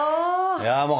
いやもう